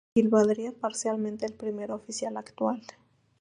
Equivaldría parcialmente al primer oficial actual.